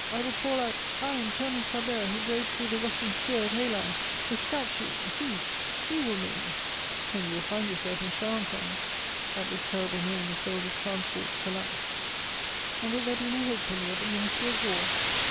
"I will call out: 'I am Colonel Chabert who rode through the Russian square at Eylau!' The statue he he will know me." "And you will find yourself in Charenton." At this terrible name the soldier's transports collapsed. "And will there be no hope for me at the Ministry of War?"